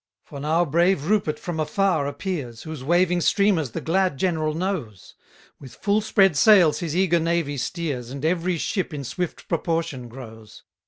105 For now brave Rupert from afar appears, Whose waving streamers the glad general knows: With full spread sails his eager navy steers, And every ship in swift proportion grows.